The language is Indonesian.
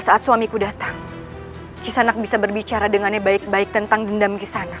saat suamiku datang kisanak bisa berbicara dengannya baik baik tentang dendam kisanak